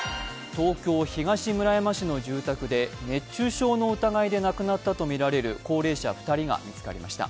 東京・東村山市の住宅で熱中症の疑いで亡くなったとみられる高齢者２人が見つかりました。